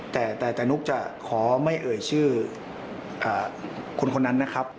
แต่นุ๊กจะขอไม่เอ่ยชื่อคนคนนั้นนะครับ